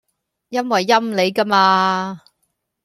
因為陰你㗎嘛